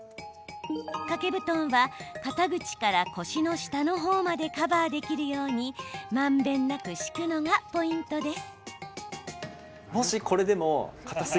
掛け布団は肩口から腰の下の方までカバーできるようにまんべんなく敷くのがポイントです。